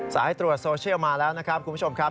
สายตรวจโซเชียลมาแล้วนะครับคุณผู้ชมครับ